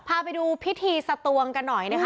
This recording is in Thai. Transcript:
พาไปดูพิธีสตวงกันหน่อยนะคะ